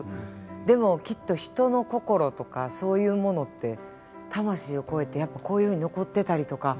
でもきっと人の心とかそういうものって魂を超えてやっぱりこういうふうに残ってたりとか。